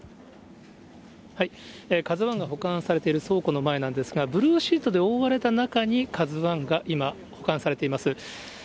ＫＡＺＵＩが保管されている倉庫の前なんですが、ブルーシートで覆われた中に、ＫＡＺＵＩが今、保管されています。